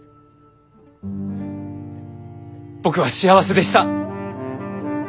僕は幸せでした！